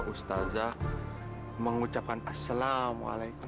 ustazah mengucapkan assalamualaikum